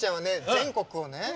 全国をね